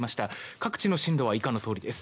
各地の震度は以下のとおりです。